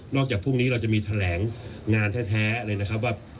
จากพรุ่งนี้เราจะมีแถลงงานแท้เลยนะครับว่า